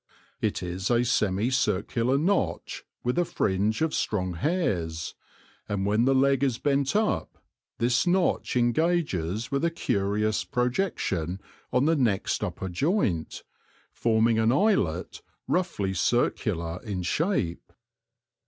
It is a semi circular notch with a fringe of strong hairs, and when the leg is bent up, this notch engages with a curious projection on the next upper pint, forming an eyelet roughly circular in shape.